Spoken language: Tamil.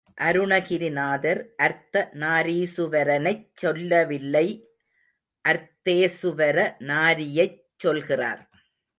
அருணகிரிநாதர் அர்த்தநாரீசுவரனைச் சொல்லவில்லை அர்த்தேசுவர நாரியைச் சொல்கிறார்.